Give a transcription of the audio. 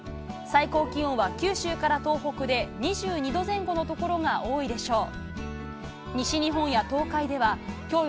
最高気温は九州から東北で２２度前後の所が多いでしょう。